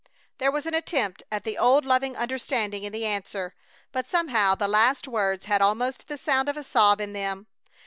There was an attempt at the old loving understanding in the answer, but somehow the last words had almost the sound of a sob in them.